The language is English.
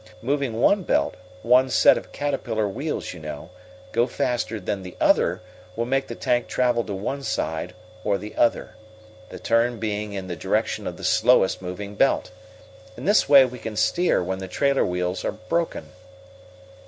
Making one belt one set of caterpillar wheels, you know go faster than the other will make the tank travel to one side or the other, the turn being in the direction of the slowest moving belt. In this way we can steer when the trailer wheels are broken."